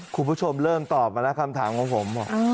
คุณผู้ชมเริ่มตอบมาแล้วคำถามของผม